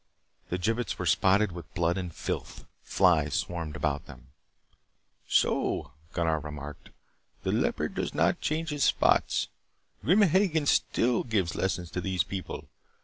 The gibbets were spotted with blood and filth. Flies swarmed about them. "So," Gunnar remarked. "The leopard does not change his spots. Grim Hagen still gives lessons to these people.